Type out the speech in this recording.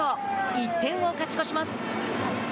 １点を勝ち越します。